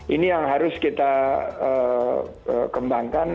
ini yang harus kita kembangkan